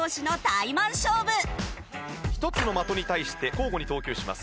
１つの的に対して交互に投球します。